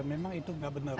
memang itu tidak benar